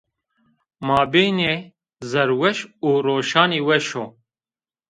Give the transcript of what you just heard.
Mabênê Zerweş û Roşanî weş o